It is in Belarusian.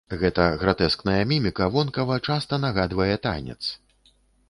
Гэта гратэскная міміка вонкава часта нагадвае танец.